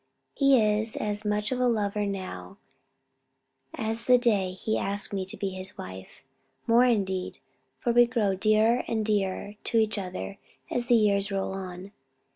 He is as much a lover now as the day he asked me to be his wife; more indeed, for we grow dearer and dearer to each other as the years roll on.